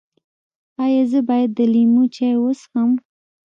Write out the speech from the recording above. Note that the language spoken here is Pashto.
ایا زه باید د لیمو چای وڅښم؟